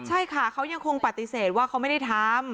ใช่ค่ะเขายังคงปฏิเสธว่าเขาไม่ได้ทำ